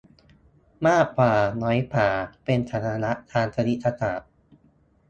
มากกว่าน้อยกว่าเป็นสัญลักษณ์ทางคณิตศาสตร์